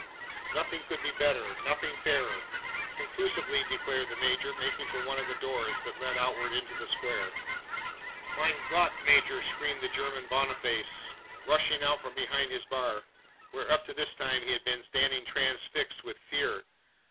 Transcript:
"Nothing could be better nothing fairer," conclusively declared the major, making for one of the doors, that led outward into the square. "Mein Gott, major!" screamed the German Boniface, rushing out from behind his bar; where, up to this time, he had been standing transfixed with fear.